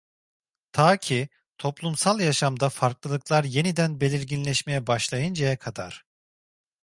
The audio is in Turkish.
Ta ki, toplumsal yaşamda farklılıklar yeniden belirginleşmeye başlayıncaya kadar.